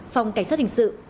phòng cảnh sát hình sự